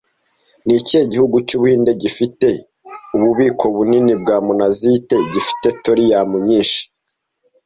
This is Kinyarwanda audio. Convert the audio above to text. Ni ikihe gihugu cy'Ubuhinde gifite ububiko bunini bwa monazite, gifite thorium nyinshi